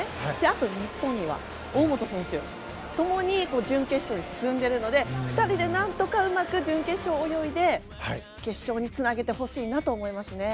あと、日本には大本選手。共に準決勝に進んでいますので、２人で何とかうまく準決勝を泳いで決勝につなげてほしいなと思いますね。